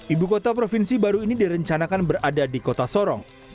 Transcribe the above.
ibu kota provinsi baru ini direncanakan berada di kota sorong